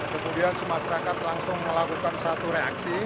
kemudian masyarakat langsung melakukan satu reaksi